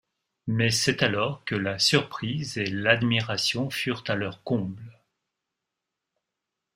Mais c’est alors que la surprise et l’admiration furent à leur comble.